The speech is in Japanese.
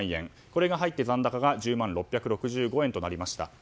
これが入って、残高が１０万６６５円となりました。